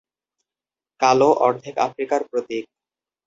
কালো অর্ধেক আফ্রিকার প্রতীক।